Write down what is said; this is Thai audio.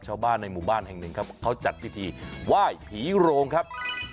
ชาวบ้านในหมู่บ้านแห่งหนึ่งครับเขาจัดพิธีไหว้ผีโรงครับ